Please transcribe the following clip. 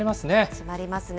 始まりますね。